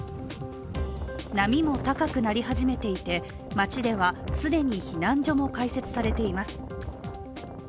波も高くなり始めていて、町では既に避難所も開設されています。